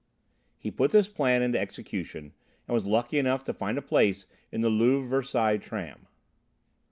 He put this plan into execution, and was lucky enough to find a place in the Louvre Versailles' tram.